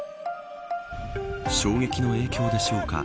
衝撃の影響でしょうか。